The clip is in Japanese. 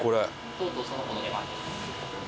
とうとうその子の出番です。